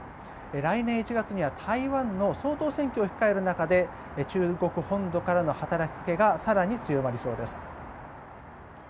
来年１月には台湾の総統選挙を控える中で中国本土からの働きかけが更に強まりそうです。